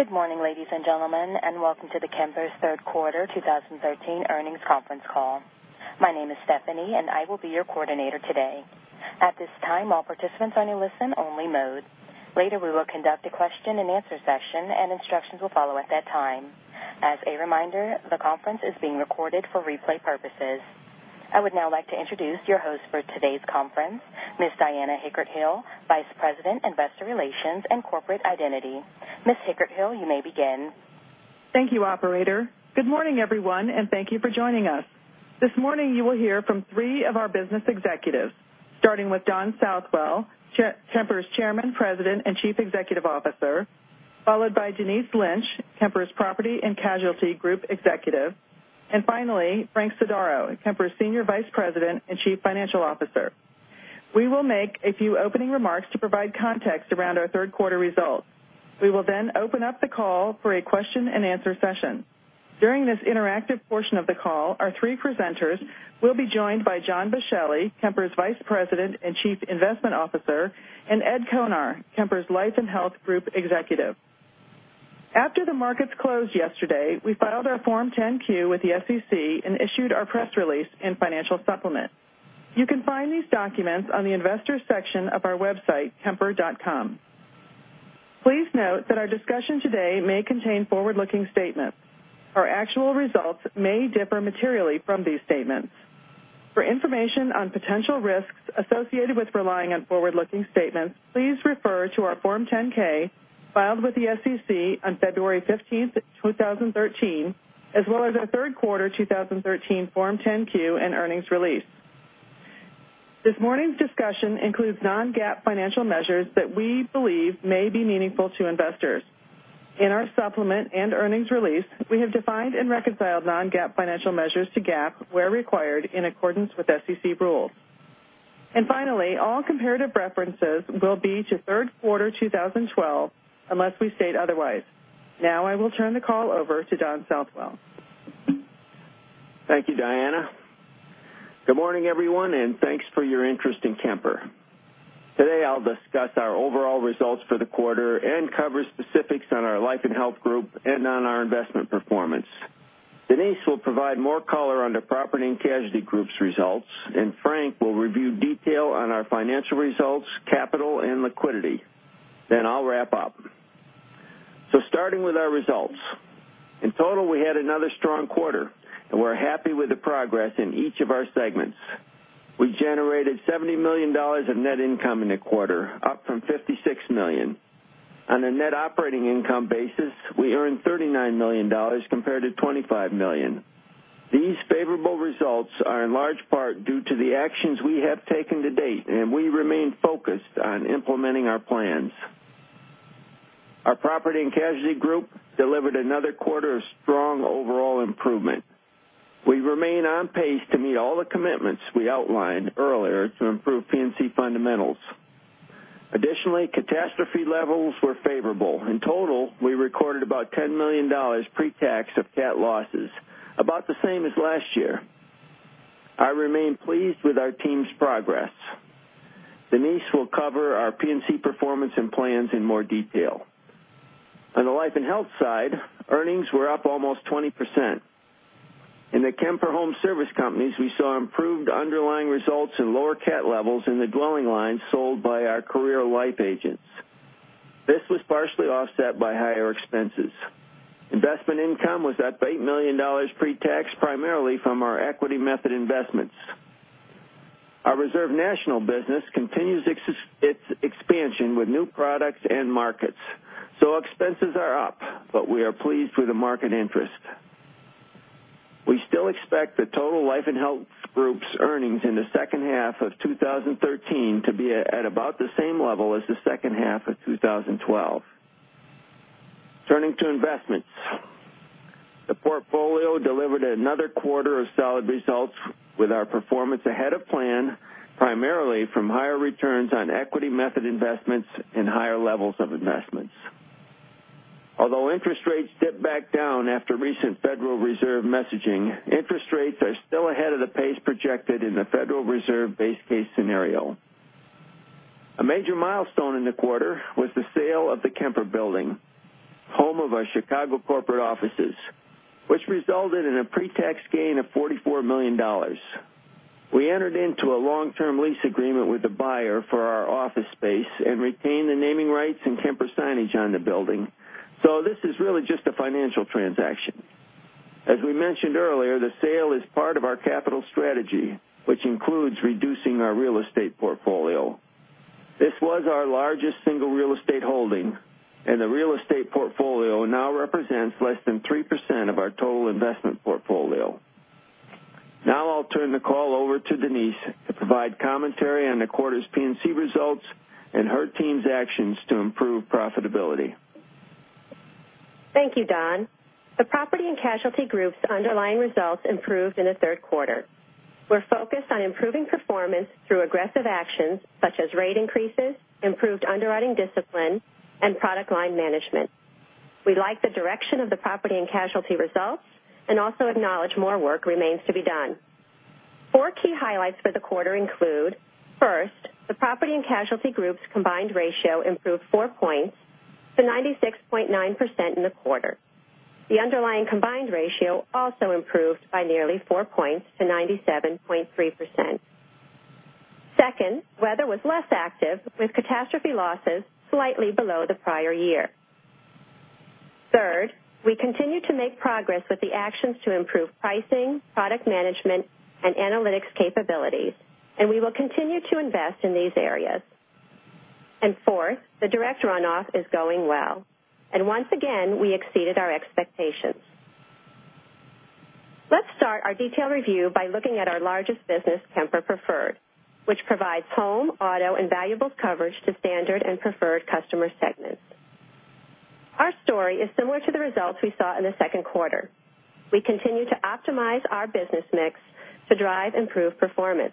Good morning, ladies and gentlemen, and welcome to the Kemper's third quarter 2013 earnings conference call. My name is Stephanie, and I will be your coordinator today. At this time, all participants are in listen only mode. Later, we will conduct a question and answer session, and instructions will follow at that time. As a reminder, the conference is being recorded for replay purposes. I would now like to introduce your host for today's conference, Ms. Diana Hickert-Hill, Vice President, Investor Relations and Corporate Identity. Ms. Hickert-Hill, you may begin. Thank you, operator. Good morning, everyone, and thank you for joining us. This morning, you will hear from three of our business executives, starting with Don Southwell, Kemper's Chairman, President, and Chief Executive Officer, followed by Denise Lynch, Kemper's Property and Casualty Group Executive, and finally, Frank Sodaro, Kemper's Senior Vice President and Chief Financial Officer. We will make a few opening remarks to provide context around our third quarter results. We will then open up the call for a question and answer session. During this interactive portion of the call, our three presenters will be joined by John Boschelli, Kemper's Vice President and Chief Investment Officer, and Ed Konar, Kemper's Life and Health Group Executive. After the markets closed yesterday, we filed our Form 10-Q with the SEC and issued our press release and financial supplement. You can find these documents on the investor section of our website, kemper.com. Please note that our discussion today may contain forward-looking statements. Our actual results may differ materially from these statements. For information on potential risks associated with relying on forward-looking statements, please refer to our Form 10-K filed with the SEC on February 15th, 2013, as well as our third quarter 2013 Form 10-Q and earnings release. This morning's discussion includes non-GAAP financial measures that we believe may be meaningful to investors. In our supplement and earnings release, we have defined and reconciled non-GAAP financial measures to GAAP where required in accordance with SEC rules. Finally, all comparative references will be to third quarter 2012, unless we state otherwise. Now, I will turn the call over to Don Southwell. Thank you, Diana. Good morning, everyone, and thanks for your interest in Kemper. Today, I'll discuss our overall results for the quarter and cover specifics on our life and health group and on our investment performance. Denise will provide more color on the Property and Casualty Group's results, and Frank will review detail on our financial results, capital, and liquidity. I'll wrap up. Starting with our results. In total, we had another strong quarter, and we're happy with the progress in each of our segments. We generated $70 million of net income in the quarter, up from $56 million. On a net operating income basis, we earned $39 million compared to $25 million. These favorable results are in large part due to the actions we have taken to date, and we remain focused on implementing our plans. Our Property and Casualty Group delivered another quarter of strong overall improvement. We remain on pace to meet all the commitments we outlined earlier to improve P&C fundamentals. Additionally, catastrophe levels were favorable. In total, we recorded about $10 million pre-tax of cat losses, about the same as last year. I remain pleased with our team's progress. Denise will cover our P&C performance and plans in more detail. On the life and health side, earnings were up almost 20%. In the Kemper Home Service companies, we saw improved underlying results and lower cat levels in the dwelling line sold by our career life agents. This was partially offset by higher expenses. Investment income was up to $8 million pre-tax, primarily from our equity method investments. Our Reserve National business continues its expansion with new products and markets. Expenses are up, but we are pleased with the market interest. We still expect the total life and health groups earnings in the second half of 2013 to be at about the same level as the second half of 2012. Turning to investments. The portfolio delivered another quarter of solid results with our performance ahead of plan, primarily from higher returns on equity method investments and higher levels of investments. Although interest rates dipped back down after recent Federal Reserve messaging, interest rates are still ahead of the pace projected in the Federal Reserve base case scenario. A major milestone in the quarter was the sale of the Kemper building, home of our Chicago corporate offices, which resulted in a pre-tax gain of $44 million. We entered into a long-term lease agreement with the buyer for our office space and retained the naming rights and Kemper signage on the building. This is really just a financial transaction. As we mentioned earlier, the sale is part of our capital strategy, which includes reducing our real estate portfolio. This was our largest single real estate holding, and the real estate portfolio now represents less than 3% of our total investment portfolio. Now I'll turn the call over to Denise to provide commentary on the quarter's P&C results and her team's actions to improve profitability. Thank you, Don. The Property and Casualty Group's underlying results improved in the third quarter. We're focused on improving performance through aggressive actions such as rate increases, improved underwriting discipline, and product line management. We like the direction of the Property and Casualty results and also acknowledge more work remains to be done. Four key highlights for the quarter include, first, the Property and Casualty Group's combined ratio improved four points to 96.9% in the quarter. The underlying combined ratio also improved by nearly four points to 97.3%. Second, weather was less active, with catastrophe losses slightly below the prior year. Third, we continue to make progress with the actions to improve pricing, product management, and analytics capabilities, and we will continue to invest in these areas. Fourth, the direct runoff is going well, and once again, we exceeded our expectations. Let's start our detailed review by looking at our largest business, Kemper Preferred, which provides home, auto, and valuables coverage to standard and preferred customer segments. Our story is similar to the results we saw in the second quarter. We continue to optimize our business mix to drive improved performance.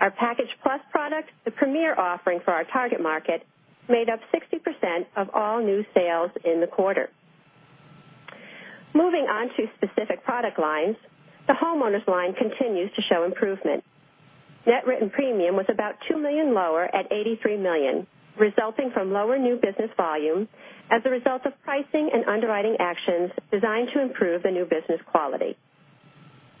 Our Package Plus product, the premier offering for our target market, made up 60% of all new sales in the quarter. Moving on to specific product lines, the homeowners line continues to show improvement. Net written premium was about $2 million lower at $83 million, resulting from lower new business volume as a result of pricing and underwriting actions designed to improve the new business quality.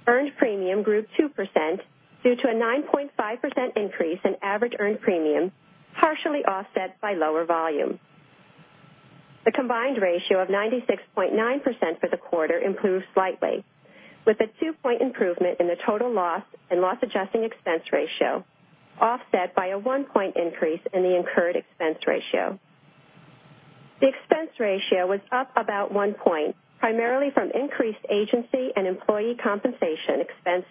Earned premium grew 2% due to a 9.5% increase in average earned premium, partially offset by lower volume. The combined ratio of 96.9% for the quarter improved slightly, with a two-point improvement in the total Loss and Loss Adjustment Expense Ratio, offset by a one-point increase in the incurred expense ratio. The expense ratio was up about one point, primarily from increased agency and employee compensation expense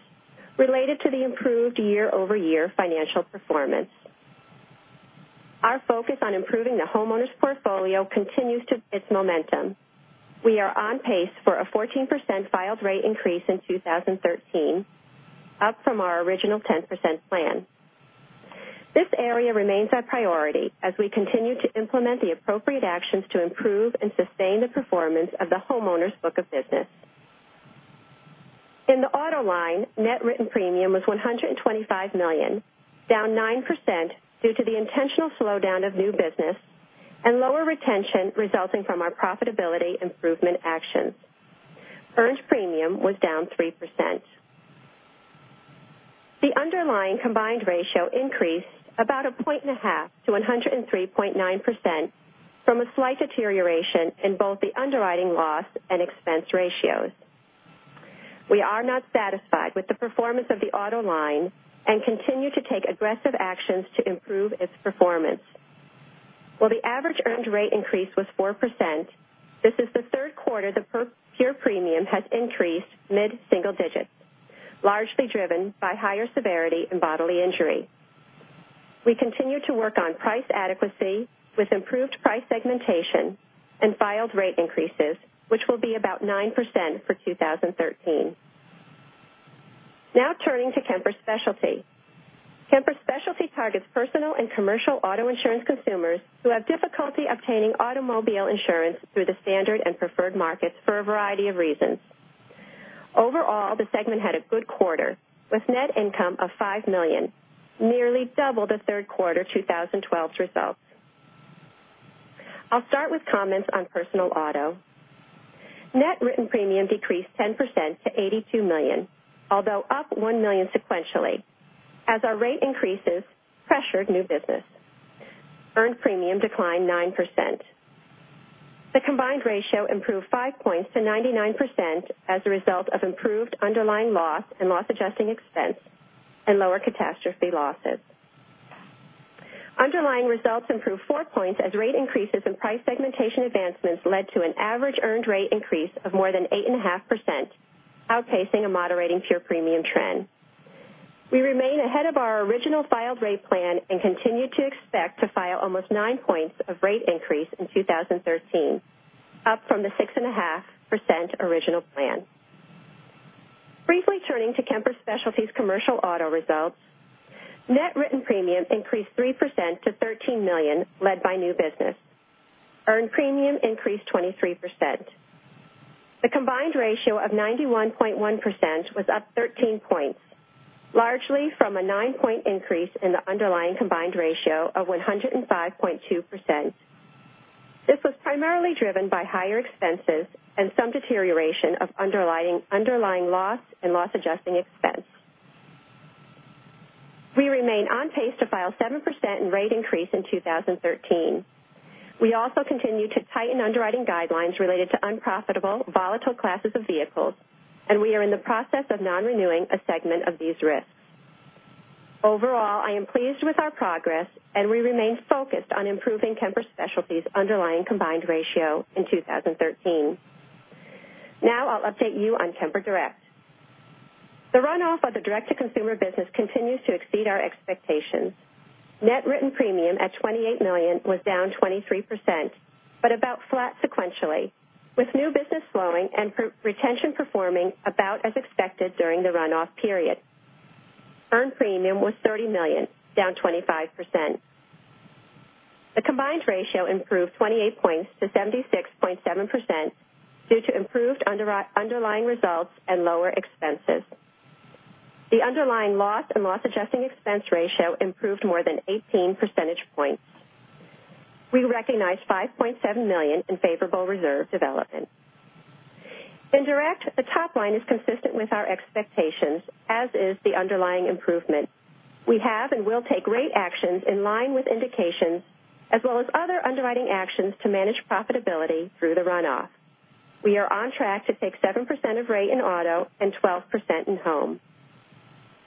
related to the improved year-over-year financial performance. Our focus on improving the homeowners portfolio continues to build momentum. We are on pace for a 14% filed rate increase in 2013, up from our original 10% plan. This area remains our priority as we continue to implement the appropriate actions to improve and sustain the performance of the homeowners book of business. In the auto line, net written premium was $125 million, down 9% due to the intentional slowdown of new business and lower retention resulting from our profitability improvement actions. Earned premium was down 3%. The underlying combined ratio increased about a point and a half to 103.9% from a slight deterioration in both the underwriting loss and expense ratios. We are not satisfied with the performance of the auto line and continue to take aggressive actions to improve its performance. While the average earned rate increase was 4%, this is the third quarter the pure premium has increased mid-single digits, largely driven by higher severity and bodily injury. We continue to work on price adequacy with improved price segmentation and filed rate increases, which will be about 9% for 2013. Now turning to Kemper Specialty. Kemper Specialty targets personal and commercial auto insurance consumers who have difficulty obtaining automobile insurance through the standard and preferred markets for a variety of reasons. Overall, the segment had a good quarter, with net income of $5 million, nearly double the third quarter 2012's results. I'll start with comments on personal auto. Net written premium decreased 10% to $82 million, although up $1 million sequentially, as our rate increases pressured new business. Earned premium declined 9%. The combined ratio improved five points to 99% as a result of improved underlying loss and loss adjusting expense and lower catastrophe losses. Underlying results improved four points as rate increases and price segmentation advancements led to an average earned rate increase of more than 8.5%, outpacing a moderating pure premium trend. We remain ahead of our original filed rate plan and continue to expect to file almost nine points of rate increase in 2013, up from the 6.5% original plan. Briefly turning to Kemper Specialty's commercial auto results. Net written premium increased 3% to $13 million, led by new business. Earned premium increased 23%. The combined ratio of 91.1% was up 13 points, largely from a nine-point increase in the underlying combined ratio of 105.2%. This was primarily driven by higher expenses and some deterioration of underlying Loss and Loss Adjustment Expense. We remain on pace to file 7% in rate increase in 2013. We also continue to tighten underwriting guidelines related to unprofitable, volatile classes of vehicles, and we are in the process of non-renewing a segment of these risks. Overall, I am pleased with our progress, and we remain focused on improving Kemper Specialty's underlying combined ratio in 2013. I'll update you on Kemper Direct. The runoff of the direct-to-consumer business continues to exceed our expectations. Net written premium at $28 million was down 23%, but about flat sequentially, with new business flowing and retention performing about as expected during the runoff period. Earned premium was $30 million, down 25%. The combined ratio improved 28 points to 76.7% due to improved underlying results and lower expenses. The underlying Loss and Loss Adjustment Expense Ratio improved more than 18 percentage points. We recognized $5.7 million in favorable reserve development. In direct, the top line is consistent with our expectations, as is the underlying improvement. We have and will take rate actions in line with indications, as well as other underwriting actions to manage profitability through the runoff. We are on track to take 7% of rate in auto and 12% in home.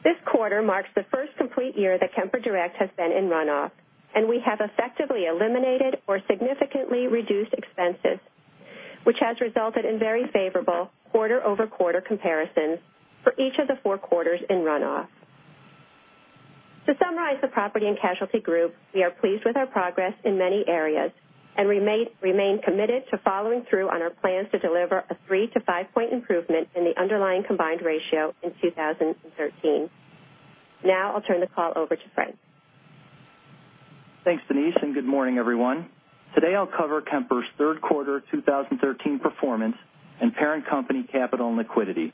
This quarter marks the first complete year that Kemper Direct has been in runoff, and we have effectively eliminated or significantly reduced expenses, which has resulted in very favorable quarter-over-quarter comparisons for each of the four quarters in runoff. To summarize the Property and Casualty Group, we are pleased with our progress in many areas and remain committed to following through on our plans to deliver a 3- to 5-point improvement in the underlying combined ratio in 2013. I'll turn the call over to Frank. Thanks, Denise, and good morning, everyone. Today I'll cover Kemper's third quarter 2013 performance and parent company capital and liquidity.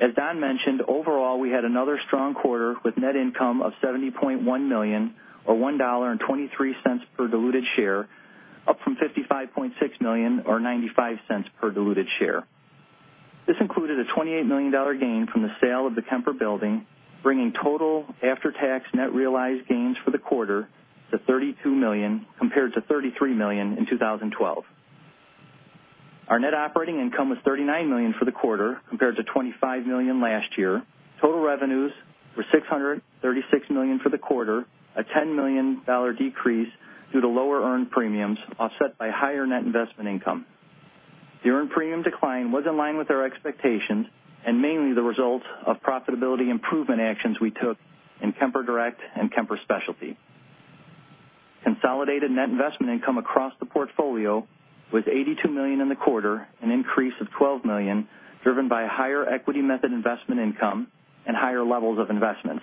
As Don mentioned, overall, we had another strong quarter with net income of $70.1 million or $1.23 per diluted share, up from $55.6 million or $0.95 per diluted share. This included a $28 million gain from the sale of the Kemper building, bringing total after-tax net realized gains for the quarter to $32 million, compared to $33 million in 2012. Our net operating income was $39 million for the quarter compared to $25 million last year. Total revenues were $636 million for the quarter, a $10 million decrease due to lower earned premiums offset by higher net investment income. The earned premium decline was in line with our expectations and mainly the result of profitability improvement actions we took in Kemper Direct and Kemper Specialty. Consolidated net investment income across the portfolio was $82 million in the quarter, an increase of $12 million driven by higher equity method investment income and higher levels of investments.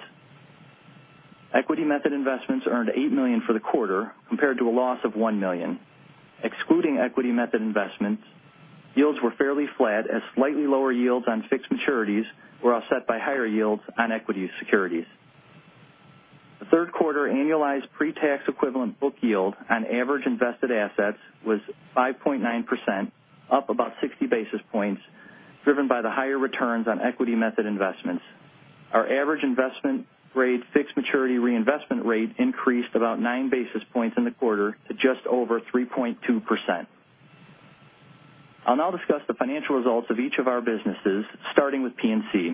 Equity method investments earned $8 million for the quarter compared to a loss of $1 million. Excluding equity method investments, yields were fairly flat as slightly lower yields on fixed maturities were offset by higher yields on equity securities. The third quarter annualized pre-tax equivalent book yield on average invested assets was 5.9%, up about 60 basis points, driven by the higher returns on equity method investments. Our average investment grade fixed maturity reinvestment rate increased about nine basis points in the quarter to just over 3.2%. I'll now discuss the financial results of each of our businesses, starting with P&C.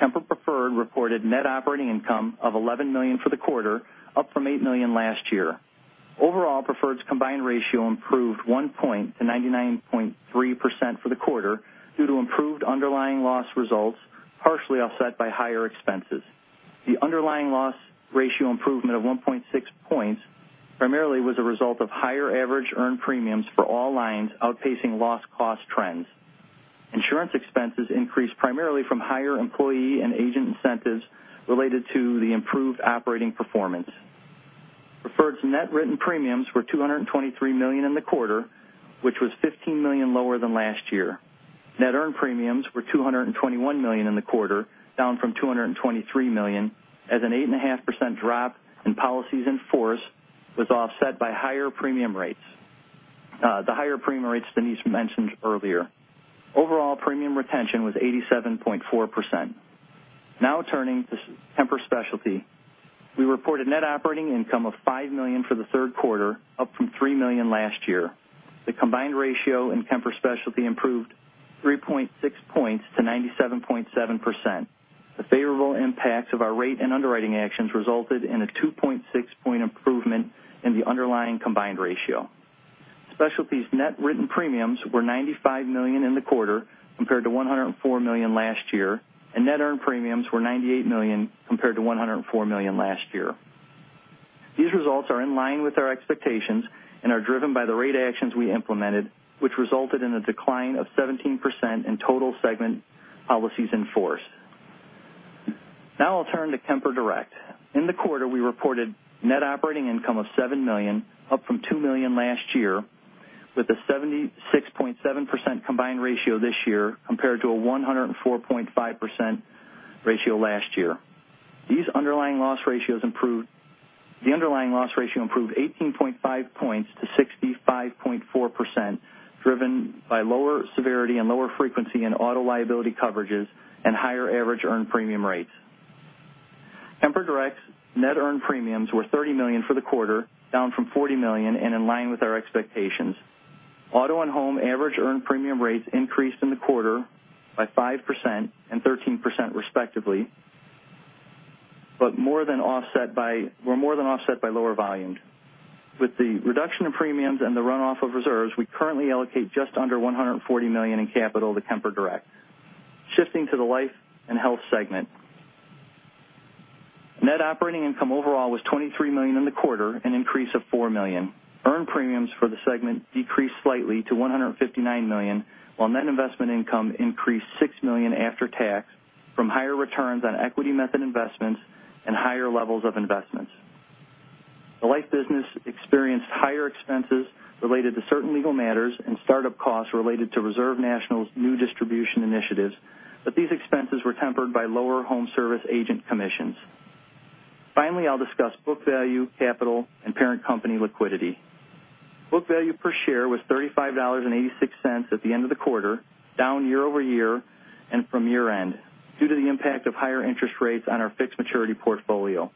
Kemper Preferred reported net operating income of $11 million for the quarter, up from $8 million last year. Overall, Preferred's combined ratio improved one point to 99.3% for the quarter due to improved underlying loss results, partially offset by higher expenses. The underlying loss ratio improvement of 1.6 points primarily was a result of higher average earned premiums for all lines outpacing loss cost trends. Insurance expenses increased primarily from higher employee and agent incentives related to the improved operating performance. Preferred's net written premiums were $223 million in the quarter, which was $15 million lower than last year. Net earned premiums were $221 million in the quarter, down from $223 million, as an 8.5% drop in policies in force was offset by higher premium rates, the higher premium rates Denise mentioned earlier. Overall, premium retention was 87.4%. Turning to Kemper Specialty. We reported net operating income of $5 million for the third quarter, up from $3 million last year. The combined ratio in Kemper Specialty improved 3.6 points to 97.7%. The favorable impacts of our rate and underwriting actions resulted in a 2.6-point improvement in the underlying combined ratio. Specialty's net written premiums were $95 million in the quarter compared to $104 million last year, and net earned premiums were $98 million compared to $104 million last year. These results are in line with our expectations and are driven by the rate actions we implemented, which resulted in a decline of 17% in total segment policies in force. I'll turn to Kemper Direct. In the quarter, we reported net operating income of $7 million, up from $2 million last year, with a 76.7% combined ratio this year compared to a 104.5% ratio last year. The underlying loss ratio improved 18.5 points to 65.4%, driven by lower severity and lower frequency in auto liability coverages and higher average earned premium rates. Kemper Direct's net earned premiums were $30 million for the quarter, down from $40 million, and in line with our expectations. Auto and home average earned premium rates increased in the quarter by 5% and 13% respectively, but were more than offset by lower volume. With the reduction in premiums and the runoff of reserves, we currently allocate just under $140 million in capital to Kemper Direct. Shifting to the life and health segment. Net operating income overall was $23 million in the quarter, an increase of $4 million. Earned premiums for the segment decreased slightly to $159 million, while net investment income increased $6 million after tax from higher returns on equity method investments and higher levels of investments. The life business experienced higher expenses related to certain legal matters and startup costs related to Reserve National's new distribution initiatives, but these expenses were tempered by lower Kemper Home Service agent commissions. Finally, I'll discuss book value, capital, and parent company liquidity. Book value per share was $35.86 at the end of the quarter, down year-over-year and from year-end due to the impact of higher interest rates on our fixed maturities portfolio.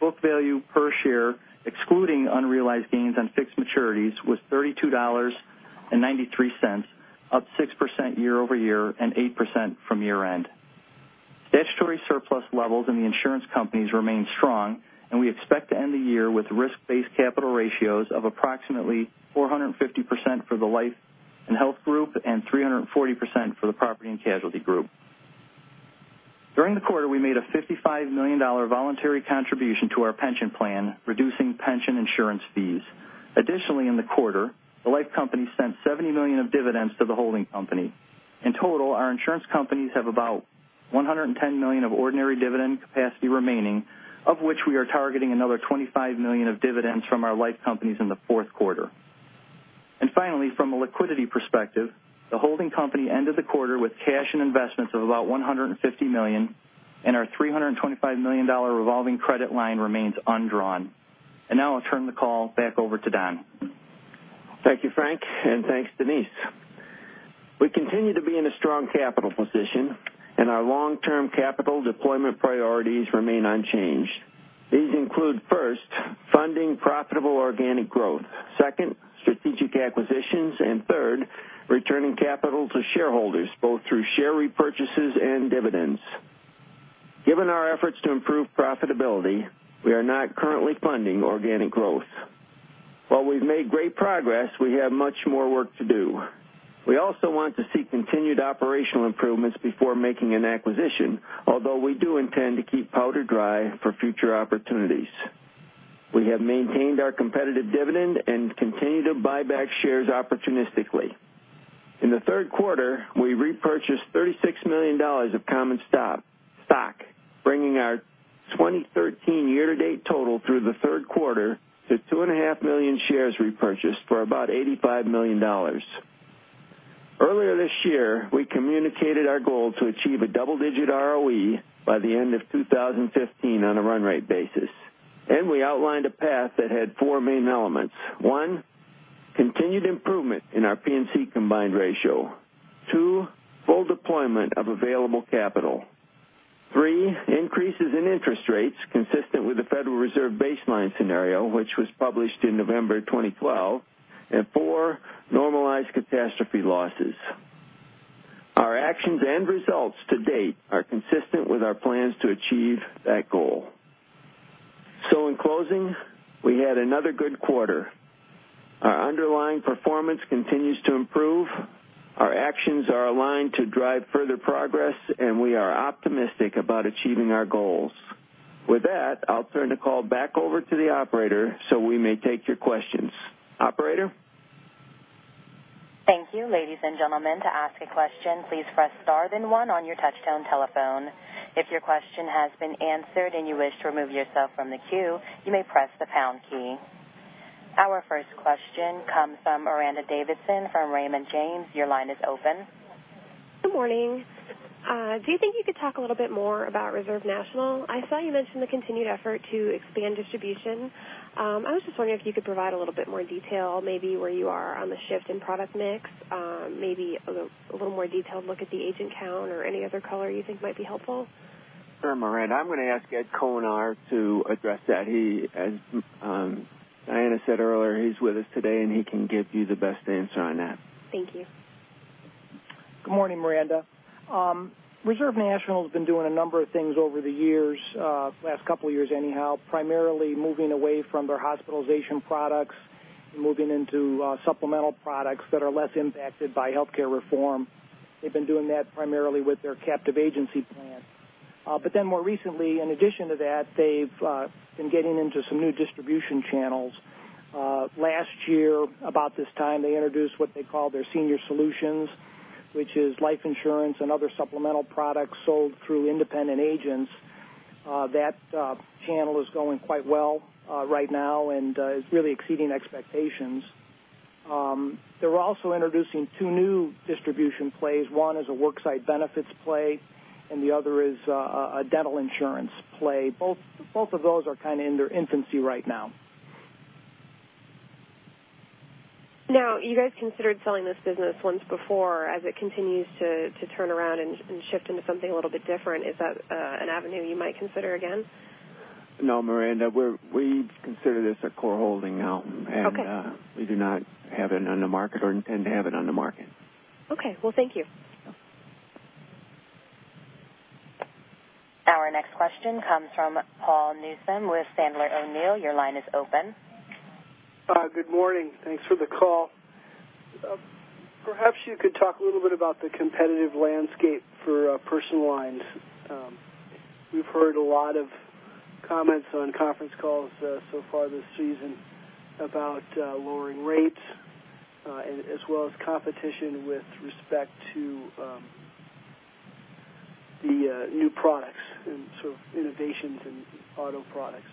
Book value per share, excluding unrealized gains on fixed maturities, was $32.93, up 6% year-over-year and 8% from year-end. Statutory surplus levels in the insurance companies remain strong, and we expect to end the year with risk-based capital ratios of approximately 450% for the Life and Health Group and 340% for the Property and Casualty Group. During the quarter, we made a $55 million voluntary contribution to our pension plan, reducing pension insurance fees. In the quarter, the life company sent $70 million of dividends to the holding company. In total, our insurance companies have about $110 million of ordinary dividend capacity remaining, of which we are targeting another $25 million of dividends from our life companies in the fourth quarter. Finally, from a liquidity perspective, the holding company ended the quarter with cash and investments of about $150 million and our $325 million revolving credit line remains undrawn. Now I'll turn the call back over to Don. Thank you, Frank, and thanks, Denise. We continue to be in a strong capital position and our long-term capital deployment priorities remain unchanged. These include, first, funding profitable organic growth, second, strategic acquisitions, and third, returning capital to shareholders both through share repurchases and dividends. Given our efforts to improve profitability, we are not currently funding organic growth. While we've made great progress, we have much more work to do. We also want to see continued operational improvements before making an acquisition, although we do intend to keep powder dry for future opportunities. We have maintained our competitive dividend and continue to buy back shares opportunistically. In the third quarter, we repurchased $36 million of common stock, bringing our 2013 year-to-date total through the third quarter to two and a half million shares repurchased for about $85 million. Earlier this year, we communicated our goal to achieve a double-digit ROE by the end of 2015 on a run rate basis, and we outlined a path that had four main elements. One, continued improvement in our P&C combined ratio. Two, full deployment of available capital. Three, increases in interest rates consistent with the Federal Reserve baseline scenario, which was published in November 2012. Four, normalized catastrophe losses. Our actions and results to date are consistent with our plans to achieve that goal. In closing, we had another good quarter. Our underlying performance continues to improve. Our actions are aligned to drive further progress, and we are optimistic about achieving our goals. With that, I'll turn the call back over to the operator, so we may take your questions. Operator? Thank you. Ladies and gentlemen, to ask a question, please press star then one on your touch-tone telephone. If your question has been answered and you wish to remove yourself from the queue, you may press the pound key. Our first question comes from Brigitte Davison from Raymond James. Your line is open. Good morning. Do you think you could talk a little bit more about Reserve National? I saw you mentioned the continued effort to expand distribution. I was just wondering if you could provide a little bit more detail, maybe where you are on the shift in product mix, maybe a little more detailed look at the agent count or any other color you think might be helpful. Sure, Brigitte. I'm going to ask Ed Konar to address that. As Diana said earlier, he's with us today, and he can give you the best answer on that. Thank you. Good morning, Brigitte. Reserve National's been doing a number of things over the years, last couple of years anyhow, primarily moving away from their hospitalization products and moving into supplemental products that are less impacted by healthcare reform. They've been doing that primarily with their captive agency plan. More recently, in addition to that, they've been getting into some new distribution channels. Last year, about this time, they introduced what they call their Senior Solutions, which is life insurance and other supplemental products sold through independent agents. That channel is going quite well right now and is really exceeding expectations. They're also introducing two new distribution plays. One is a work site benefits play, and the other is a dental insurance play. Both of those are kind of in their infancy right now. You guys considered selling this business once before. As it continues to turn around and shift into something a little bit different, is that an avenue you might consider again? Brigitte, we consider this a core holding now. Okay. We do not have it on the market or intend to have it on the market. Okay. Well, thank you. Our next question comes from Paul Newsome with Sandler O'Neill. Your line is open. Good morning. Thanks for the call. Perhaps you could talk a little bit about the competitive landscape for personal lines. We've heard a lot of comments on conference calls so far this season about lowering rates, as well as competition with respect to the new products and innovations in auto products.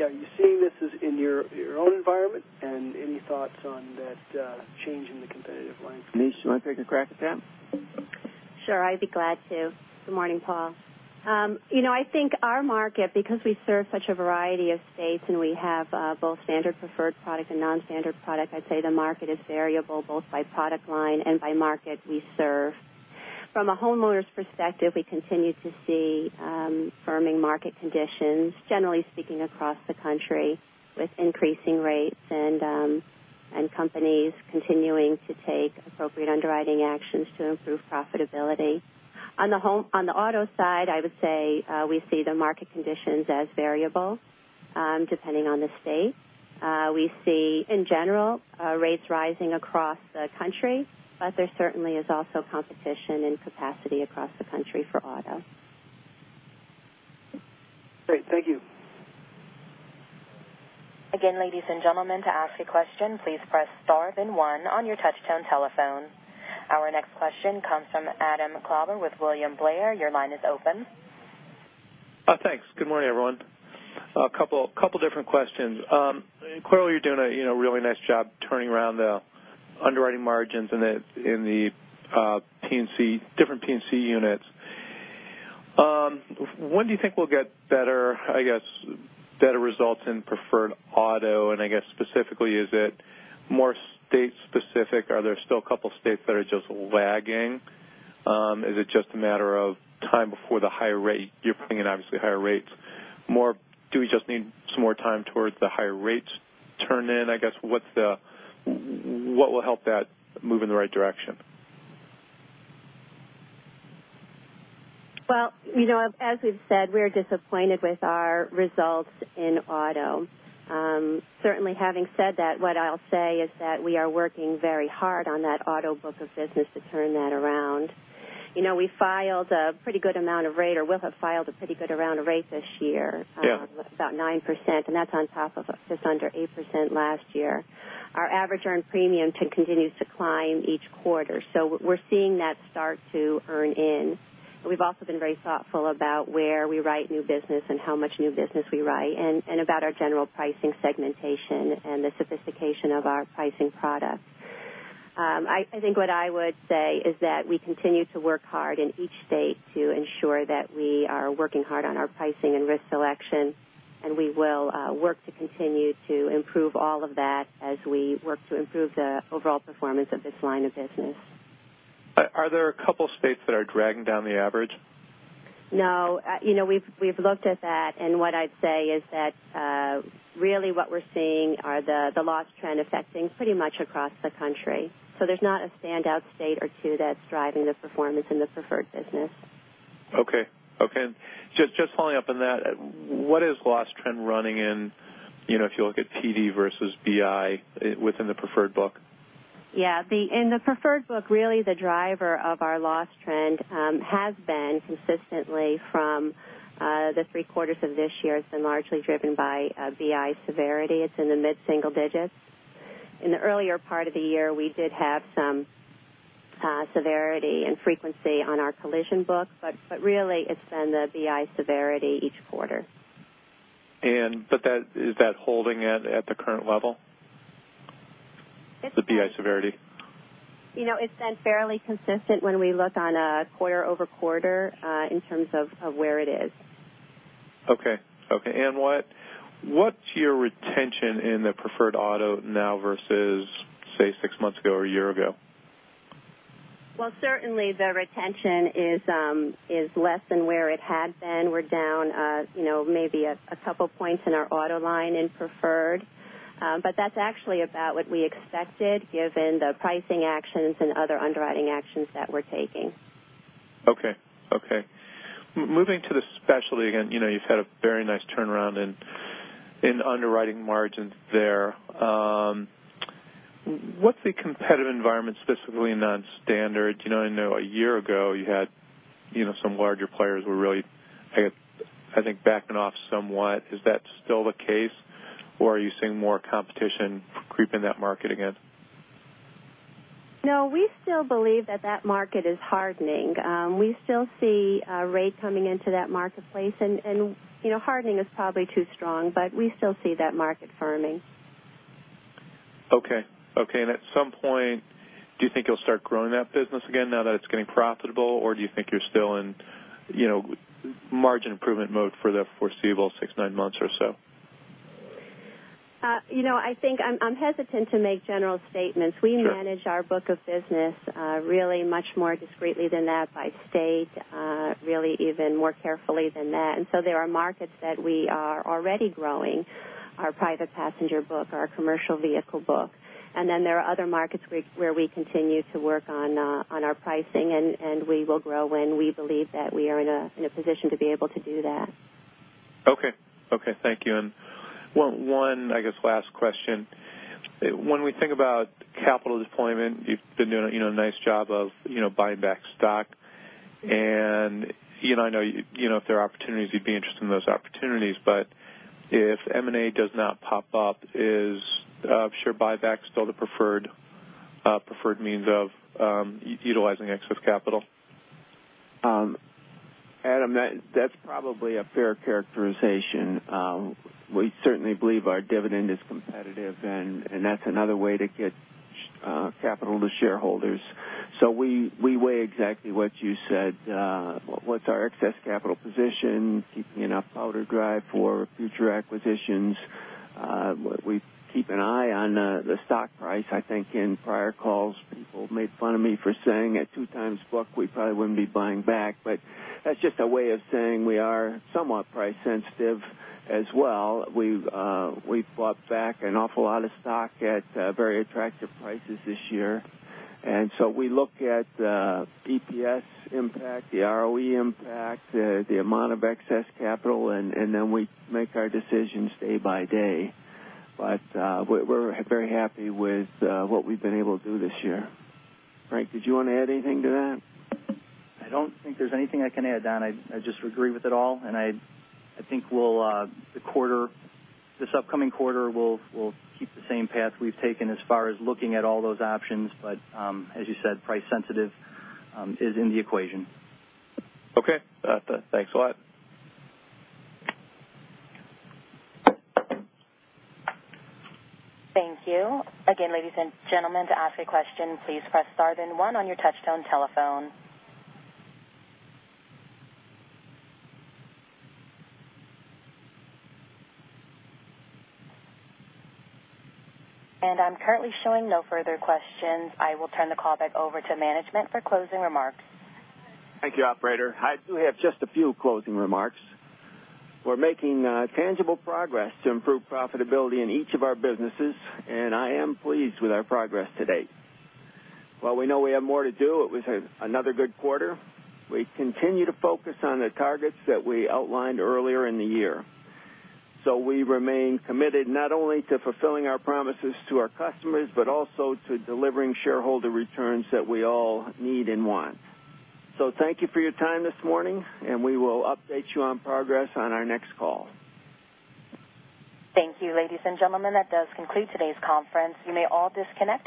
Are you seeing this in your own environment? Any thoughts on that change in the competitive landscape? Denise, you want to take a crack at that? Sure, I'd be glad to. Good morning, Paul. I think our market, because we serve such a variety of states and we have both standard preferred product and non-standard product, I'd say the market is variable both by product line and by market we serve. From a homeowners perspective, we continue to see firming market conditions, generally speaking, across the country with increasing rates and companies continuing to take appropriate underwriting actions to improve profitability. On the auto side, I would say we see the market conditions as variable depending on the state. We see, in general, rates rising across the country, but there certainly is also competition and capacity across the country for auto. Great. Thank you. Again, ladies and gentlemen, to ask a question, please press star then one on your touch-tone telephone. Our next question comes from Adam Klauber with William Blair. Your line is open. Thanks. Good morning, everyone. A couple of different questions. Clearly, you're doing a really nice job turning around the underwriting margins in the different P&C units. When do you think we'll get better results in preferred auto? Specifically, is it more state specific? Are there still a couple of states that are just lagging? Is it just a matter of time before the higher rate? You're bringing in, obviously, higher rates more. Do we just need some more time towards the higher rates turn in? What will help that move in the right direction? Well, as we've said, we're disappointed with our results in auto. Certainly, having said that, what I'll say is that we are working very hard on that auto book of business to turn that around. We filed a pretty good amount of rate, or will have filed a pretty good amount of rate this year. Yeah. About 9%, that's on top of just under 8% last year. Our average earned premium continues to climb each quarter. We're seeing that start to earn in. We've also been very thoughtful about where we write new business and how much new business we write, and about our general pricing segmentation and the sophistication of our pricing product. I think what I would say is that we continue to work hard in each state to ensure that we are working hard on our pricing and risk selection, and we will work to continue to improve all of that as we work to improve the overall performance of this line of business. Are there a couple states that are dragging down the average? No. We've looked at that, and what I'd say is that really what we're seeing are the loss trend affecting pretty much across the country. There's not a standout state or two that's driving the performance in the Preferred business. Okay. Just following up on that, what is loss trend running in, if you look at PD versus BI within the Preferred book? Yeah. In the Preferred book, really the driver of our loss trend has been consistently from the three quarters of this year. It's been largely driven by BI severity. It's in the mid-single digits. In the earlier part of the year, we did have some severity and frequency on our collision book, really it's been the BI severity each quarter. Is that holding at the current level? The BI severity. It's been fairly consistent when we look on a quarter-over-quarter in terms of where it is. Okay. What's your retention in the preferred auto now versus, say, six months ago or a year ago? Well, certainly the retention is less than where it had been. We're down maybe a couple points in our auto line in preferred. That's actually about what we expected given the pricing actions and other underwriting actions that we're taking. Okay. Moving to the specialty again. You've had a very nice turnaround in underwriting margins there. What's the competitive environment specifically in non-standard? I know a year ago you had some larger players who were really, I think, backing off somewhat. Is that still the case, or are you seeing more competition creep in that market again? No, we still believe that that market is hardening. We still see rate coming into that marketplace, and hardening is probably too strong, but we still see that market firming. Okay. At some point, do you think you'll start growing that business again now that it's getting profitable, or do you think you're still in margin improvement mode for the foreseeable six, nine months or so? I think I'm hesitant to make general statements. Sure. We manage our book of business really much more discreetly than that by state. Really even more carefully than that. So there are markets that we are already growing. Our private passenger book, our commercial vehicle book. Then there are other markets where we continue to work on our pricing, and we will grow when we believe that we are in a position to be able to do that. Okay. Thank you. One, I guess, last question. When we think about capital deployment, you've been doing a nice job of buying back stock. I know if there are opportunities, you'd be interested in those opportunities, if M&A does not pop up, is share buyback still the preferred means of utilizing excess capital? Adam, that's probably a fair characterization. We certainly believe our dividend is competitive, and that's another way to get capital to shareholders. We weigh exactly what you said. What's our excess capital position, keeping enough powder dry for future acquisitions? We keep an eye on the stock price. I think in prior calls, people made fun of me for saying at two times book, we probably wouldn't be buying back. That's just a way of saying we are somewhat price sensitive as well. We've bought back an awful lot of stock at very attractive prices this year. We look at the EPS impact, the ROE impact, the amount of excess capital, and then we make our decisions day by day. We're very happy with what we've been able to do this year. Frank, did you want to add anything to that? I don't think there's anything I can add, Don. I just agree with it all, and I think this upcoming quarter, we'll keep the same path we've taken as far as looking at all those options. As you said, price sensitive is in the equation. Okay. Thanks a lot. Thank you. Again, ladies and gentlemen, to ask a question, please press star then one on your touchtone telephone. I'm currently showing no further questions. I will turn the call back over to management for closing remarks. Thank you, operator. I do have just a few closing remarks. We're making tangible progress to improve profitability in each of our businesses, and I am pleased with our progress to date. While we know we have more to do, it was another good quarter. We continue to focus on the targets that we outlined earlier in the year. We remain committed not only to fulfilling our promises to our customers, but also to delivering shareholder returns that we all need and want. Thank you for your time this morning, and we will update you on progress on our next call. Thank you, ladies and gentlemen. That does conclude today's conference. You may all disconnect.